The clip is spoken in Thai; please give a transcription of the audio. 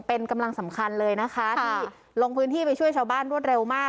เป็นกำลังสำคัญเลยนะคะที่ลงพื้นที่ไปช่วยชาวบ้านรวดเร็วมาก